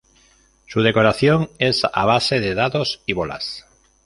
Su decoración es a base de dados y bolas.